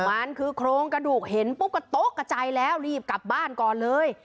มันคือโครงกระดูกเห็นปุ๊บก็โต๊ะกระใจแล้วรีบกลับบ้านก่อนเลย